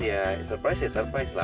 ya surprise ya surprise lah